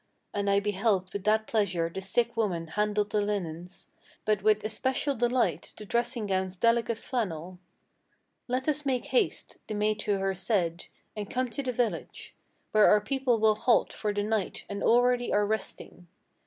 And I beheld with what pleasure the sick woman handled the linens, But with especial delight the dressing gown's delicate flannel. 'Let us make haste,' the maid to her said, 'and come to the village, Where our people will halt for the night and already are resting.